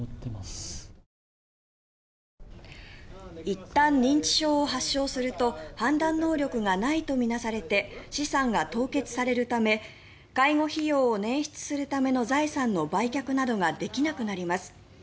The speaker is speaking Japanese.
いったん認知症を発症すると判断能力がないとみなされて資産が凍結されるため介護費用を捻出するための財産の売却などができなくなります。